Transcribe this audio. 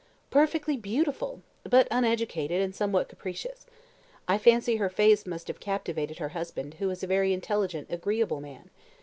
"Perfectly beautiful! but uneducated, and somewhat capricious. I fancy her face must have captivated her husband, who is a very intelligent, agreeable man."